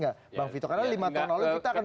nggak bang vito karena lima tahun lalu kita akan